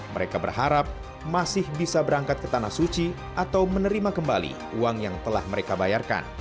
mereka berharap masih bisa berangkat ke tanah suci atau menerima kembali uang yang telah mereka bayarkan